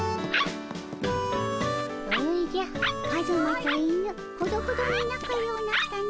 おじゃカズマと犬ほどほどに仲ようなったの。